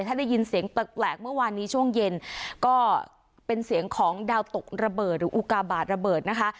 ถ้าได้ยินเสียงแปลกเมื่อวานนี้ช่วงเย็นก็เป็นเสียงของดาวตกระเบิดหรืออุกาบาทระเบิดนะคะ